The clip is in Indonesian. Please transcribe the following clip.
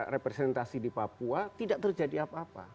representasi di papua tidak terjadi apa apa